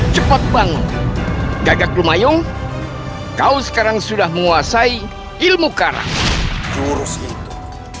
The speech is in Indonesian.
cepat bangun gagak lumayung kau sekarang sudah menguasai ilmu karak jurus itu